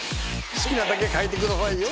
好きなだけ書いてくださいよ」